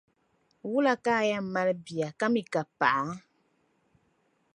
Wula ka o yɛn mali bia ka mi ka paɣa?